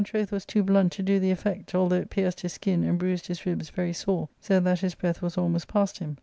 ^Book /K 427 troth was too blunt to do the effect, although it pierced his skin and bruised his ribs very sore, so that his breath was almost past him.